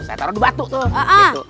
saya taruh di batu tuh